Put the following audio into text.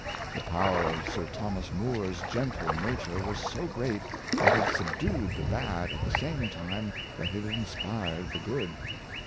The power of Sir Thomas More's gentle nature was so great that it subdued the bad at the same time that it inspired the good.